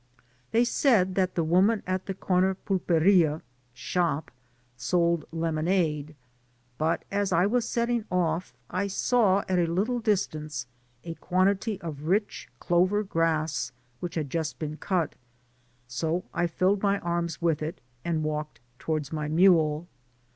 They said that the woman at the comer pulperia (shop) sold lemonade; but, as I was setting off, I saw at a little distance a quantity of rich clover grass which had just been cut, so I filled my arms with it, and walked to wards my mule.